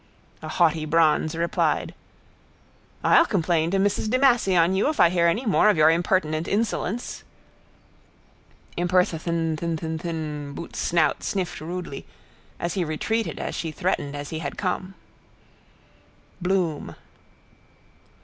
A haughty bronze replied: —I'll complain to Mrs de Massey on you if I hear any more of your impertinent insolence. —Imperthnthn thnthnthn, bootssnout sniffed rudely, as he retreated as she threatened as he had come. Bloom.